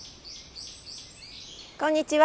こんにちは。